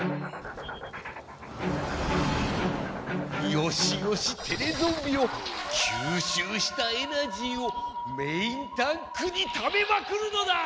よしよしテレゾンビよきゅうしゅうしたエナジーをメインタンクにためまくるのだ！